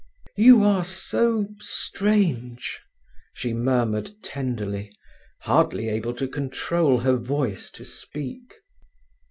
"You are so strange," she murmured tenderly, hardly able to control her voice to speak.